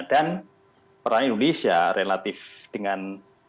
dan peran indonesia relatif dengan